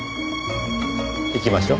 行きましょう。